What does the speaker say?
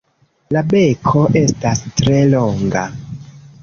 La beko estas tre longa.